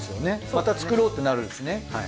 また作ろうってなるしね。